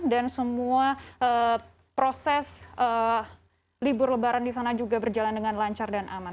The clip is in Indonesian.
dan semua proses libur lebaran di sana juga berjalan dengan lancar dan aman